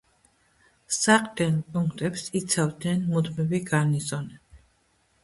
საყრდენ პუნქტებს იცავდნენ მუდმივი გარნიზონები.